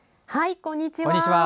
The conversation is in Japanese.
こんにちは。